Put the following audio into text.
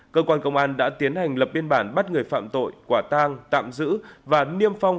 cơ quan công an đã tiến hành lập biên bản bắt người phạm tội quả tang tạm giữ và niêm phong